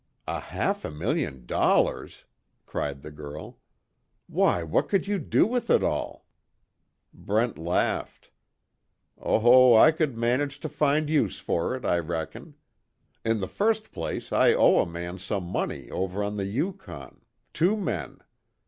"A half a million dollars!" cried the girl, "Why, what could you do with it all?" Brent laughed: "Oh I could manage to find use for it, I reckon. In the first place I owe a man some money over on the Yukon two men.